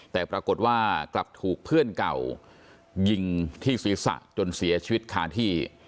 แต่ปรากฏว่ากลับถูกเพื่อนเก่ายิงที่ศีรษะจนเสียชีวิตคาที่